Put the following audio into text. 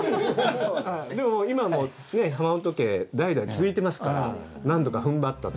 でも今も花本家代々続いてますからなんとかふんばったと。